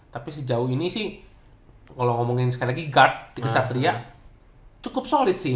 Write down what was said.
tapi sejauh ini sih kalau ngomongin sekali lagi guard di satria cukup solid sih